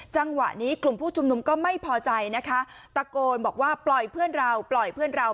จังหวะนี้กลุ่มผู้ชุมนุมก็ไม่พอใจนะคะตะโกนบอกว่าปล่อยเพื่อนเรา